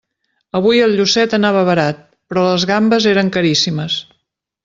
Avui el llucet anava barat, però les gambes eren caríssimes.